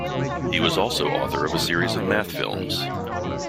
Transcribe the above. He was also author of a series of math films.